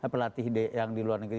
pelatih yang di luar negeri